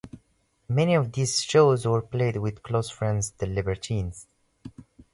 Many of these shows were played with close friends The Libertines.